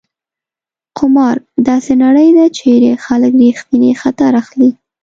قمار: داسې نړۍ ده چېرې خلک ریښتینی خطر اخلي.